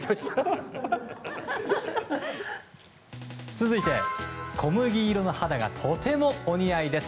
続いて、小麦色の肌がとてもお似合いです。